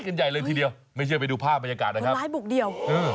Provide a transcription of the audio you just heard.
นี่ไงเจอแล้ว